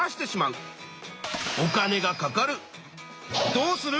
どうする！？